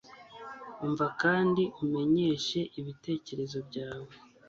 Umva kandi umenyeshe ibitekerezo byawe.